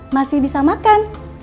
masih bisa makan